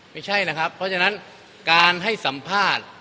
ไม่ใช่นะครับเพราะฉะนั้นการให้สัมภาษณ์